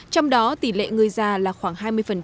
trong đó tỷ lệ người già là khoảng hai mươi